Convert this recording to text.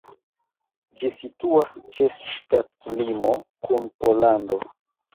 Ĝi situas ĉe ŝtatlimo kun Pollando.